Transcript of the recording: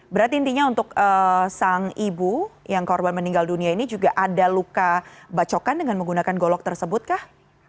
berarti intinya untuk sang ibu yang korban meninggal dunia ini juga ada luka bacokan dengan menggunakan golok tersebut kah